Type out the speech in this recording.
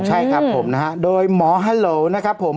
ใช่ครับผมนะฮะโดยหมอฮัลโหลนะครับผม